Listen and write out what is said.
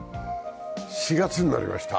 ４月になりました。